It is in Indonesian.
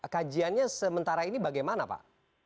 kajiannya sementara ini bagaimana pak